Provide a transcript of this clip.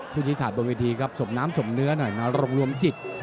ผู้ชิดขาดบนวิธีครับสมน้ำสมเนื้อหน่อยนะครับรวมรวมจิต